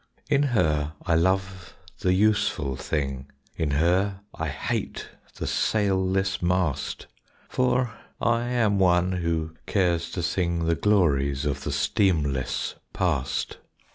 In her I love the useful thing In her I hate the sailless mast; For I am one who cares to sing The glories of the steamless past.